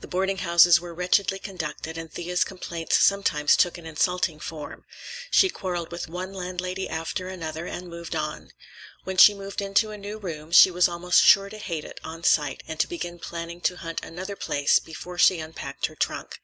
The boarding houses were wretchedly conducted and Thea's complaints sometimes took an insulting form. She quarreled with one landlady after another and moved on. When she moved into a new room, she was almost sure to hate it on sight and to begin planning to hunt another place before she unpacked her trunk.